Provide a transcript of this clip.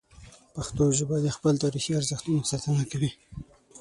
پښتو ژبه د خپلو تاریخي ارزښتونو ساتنه کوي.